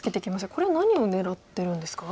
これは何を狙ってるんですか？